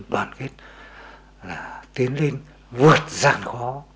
đoàn kết là tiến lên vượt giàn khó